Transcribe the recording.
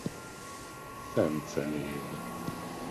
Szencen él.